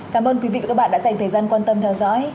cảm ơn quý vị và các bạn đã dành thời gian quan tâm theo dõi